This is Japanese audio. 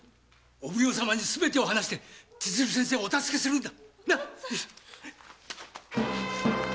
お奉行様に話し千鶴先生をお助けするんだ。